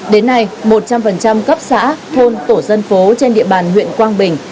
đến nay một trăm linh cấp xã thôn tổ dân phố trên địa bàn huyện quang bình